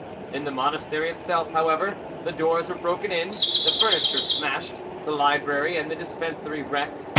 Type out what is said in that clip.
In the monastery itself, however, the doors were broken in, the furniture smashed, the library and the dispensary wrecked.